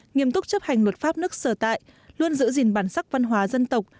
nghiêm túc chấp hành luật pháp nước sở tại luôn giữ gìn bản sắc văn hóa dân tộc